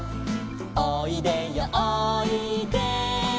「おいでよおいで」